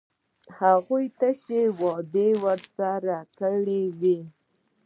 هغوی تشې وعدې ورسره کړې وې.